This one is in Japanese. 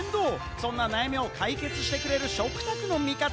そんな悩みを解決してくれる食卓の味方。